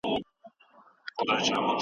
قهر د شینکي اسمان ګوره چي لا څه کیږي